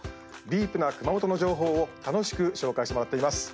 ディープな熊本の情報を楽しく紹介してもらっています。